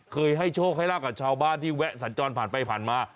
ให้โชคให้ลาบกับชาวบ้านที่แวะสัญจรผ่านไปผ่านมา